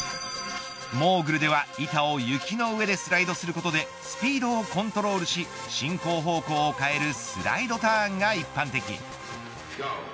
モーグルでは板を雪の上でスライドすることでスピードをコントロールし進行方向を変えるスライドターンが一般的。